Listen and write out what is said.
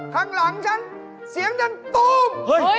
ข้างหลังฉันเสียงดังตูม